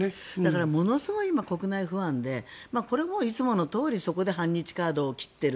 ものすごい国内不安でこれもいつものとおりそこで反日カードを切っている。